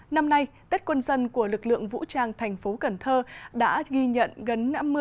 năm nay tết quân dân của lực lượng vũ trang thành phố cần thơ đã ghi nhận gần năm mươi